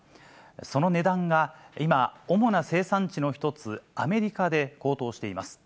その値段が今、主な生産地の一つ、アメリカで高騰しています。